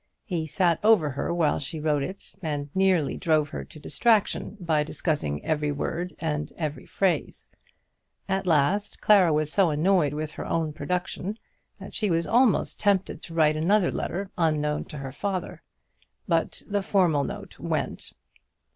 He sat over her while she wrote it, and nearly drove her distracted by discussing every word and phrase. At last, Clara was so annoyed with her own production, that she was almost tempted to write another letter unknown to her father; but the formal note went.